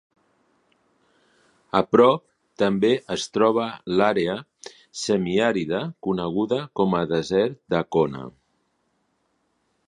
A prop també es troba l'àrea semiàrida coneguda com a Desert d'Accona.